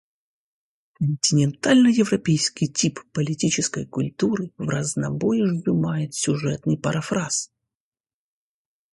Континентально-европейский тип политической культуры вразнобой сжимает сюжетный парафраз.